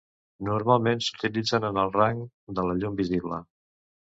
Normalment s'utilitzen en el rang de la llum visible.